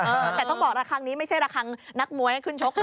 แต่ต้องบอกระคังนี้ไม่ใช่ระคังนักมวยให้ขึ้นชกนะ